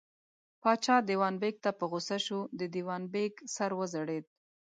پاچا دېوان بېګ ته په غوسه شو، د دېوان بېګ سر وځړېد.